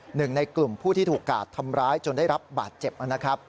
หนึ่งในกลุ่มผู้ที่ถูกกาดทำร้ายจนได้รับบาดเจ็บนะครับ